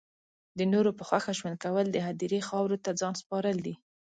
د نورو په خوښه ژوند کول د هدیرې خاورو ته ځان سپارل دی